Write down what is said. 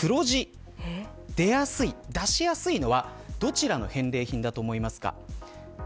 返礼品として黒字を出しやすいのはどちらの返礼品だと思いますか。